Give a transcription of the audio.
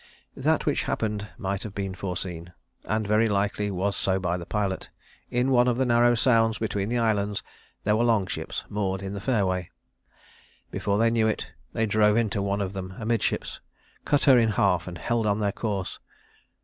That which happened might have been foreseen, and very likely was so by the pilot. In one of the narrow sounds between the islands there were long ships moored in the fairway. Before they knew it they drove into one of them amidships, cut her in half and held on their course.